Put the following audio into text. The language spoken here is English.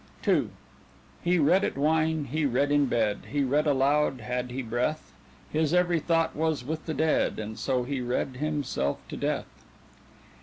II "_He read at wine, he read in bed, He read aloud, had he the breath, His every thought was with the dead, And so he read himself to death.